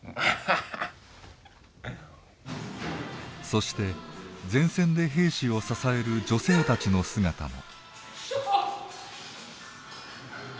そして前線で兵士を支える女性たちの姿も。